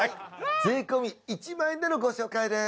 税込１万円でのご紹介です